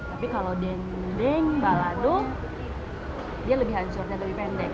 tapi kalau dendeng balado dia lebih hancur dan lebih pendek